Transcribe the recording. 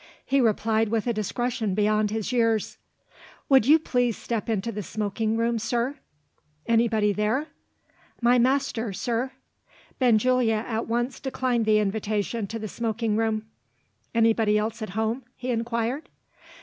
He replied with a discretion beyond his years: "Would you please step into the smoking room, sir?" "Anybody there?" "My master, sir." Benjulia at once declined the invitation to the smoking room. "Anybody else at home?" he inquired.